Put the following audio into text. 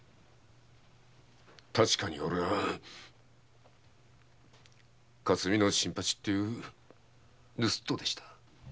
確かにオレは「霞の新八」という盗っ人でした。